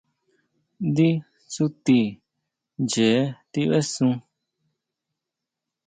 Ndí tsuti ʼnchee tibesun.